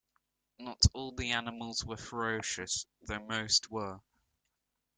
Not all the animals were ferocious, though most were.